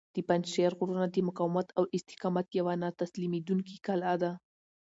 د پنجشېر غرونه د مقاومت او استقامت یوه نه تسلیمیدونکې کلا ده.